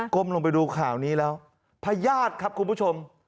ลงไปดูข่าวนี้แล้วพญาติครับคุณผู้ชม